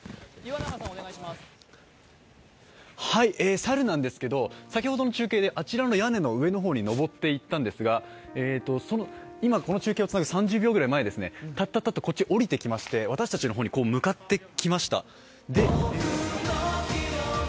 猿ですが、先ほどの中継で、あちらの屋根の上の方に登って行ったんですが、今、この中継をつなぐ３０秒ぐらい前、こちらへ下りてきまして私たちの方に向かってきました。